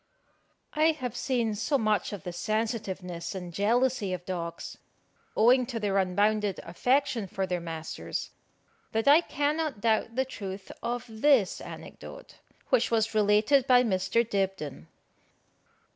I have seen so much of the sensitiveness and jealousy of dogs, owing to their unbounded affection for their masters, that I cannot doubt the truth of this anecdote, which was related by Mr. Dibdin.